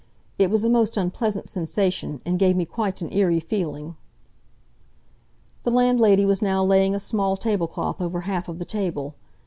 It was a most unpleasant sensation, and gave me quite an eerie feeling." The landlady was now laying a small tablecloth over half of the table.